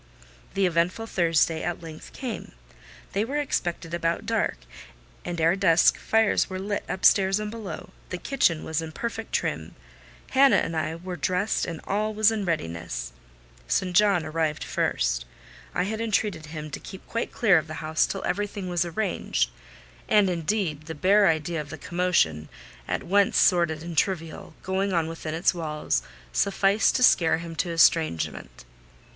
The eventful Thursday at length came. They were expected about dark, and ere dusk fires were lit upstairs and below; the kitchen was in perfect trim; Hannah and I were dressed, and all was in readiness. St. John arrived first. I had entreated him to keep quite clear of the house till everything was arranged: and, indeed, the bare idea of the commotion, at once sordid and trivial, going on within its walls sufficed to scare him to estrangement.